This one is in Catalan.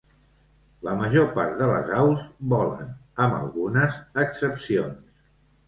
La major part de les aus volen, amb algunes excepcions.